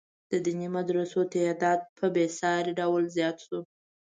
د دیني مدرسو تعداد په بې ساري ډول زیات شو.